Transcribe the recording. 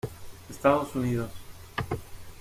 Estados Unidos